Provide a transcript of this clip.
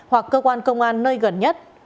hoặc cơ quan công an nơi gần nhất